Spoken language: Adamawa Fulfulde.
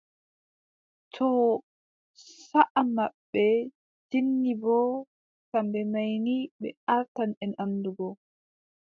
Too saaʼa maɓɓe jinni boo, kamɓe may ni ɓe artan en anndungo.